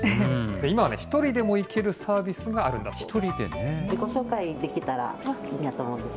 今はね、１人でも行けるサービスがあるんだそうです。